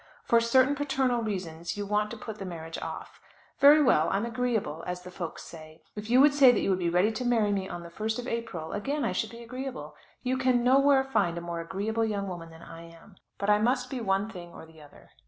For certain paternal reasons you want to put the marriage off. Very well. I'm agreeable, as the folks say. If you would say that you would be ready to marry me on the first of April, again I should be agreeable. You can nowhere find a more agreeable young woman than I am. But I must be one thing or the other."